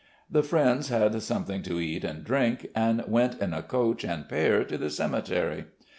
The friends had something to eat and drink, and went in a coach and pair to the cemetery.